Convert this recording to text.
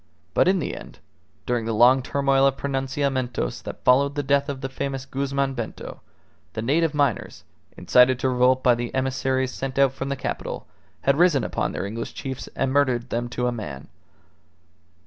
But in the end, during the long turmoil of pronunciamentos that followed the death of the famous Guzman Bento, the native miners, incited to revolt by the emissaries sent out from the capital, had risen upon their English chiefs and murdered them to a man.